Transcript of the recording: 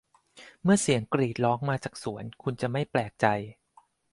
เมื่อเสียงกรีดร้องมาจากสวน คุณจะไม่แปลกใจ